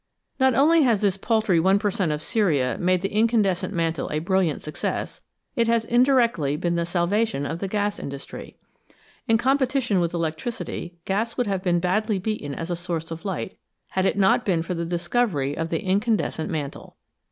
Not only has this paltry 1 per cent, of ceria made the incandescent mantle a brilliant success ; it has indirectly been the salvation of the gas industry. In competition with electricity, gas would have been badly beaten as a source of light had it not been for the discovery of the incandescent mantle.